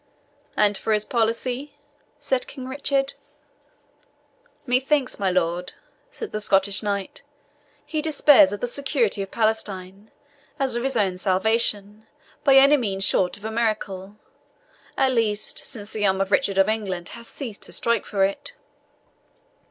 "And for his policy?" said King Richard. "Methinks, my lord," said the Scottish knight, "he despairs of the security of Palestine, as of his own salvation, by any means short of a miracle at least, since the arm of Richard of England hath ceased to strike for it."